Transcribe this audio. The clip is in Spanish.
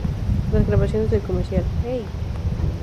Las grabaciones del comercial "¡Hey!